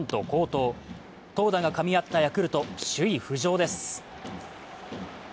投打がかみ合ったヤクルト首位浮上です。